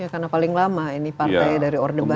karena paling lama ini partai dari orde baru